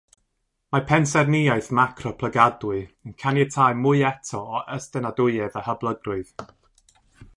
Mae pensaernïaeth macro plygadwy yn caniatáu mwy eto o estynadwyedd a hyblygrwydd.